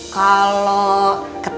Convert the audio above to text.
kalo ketemuanya dimana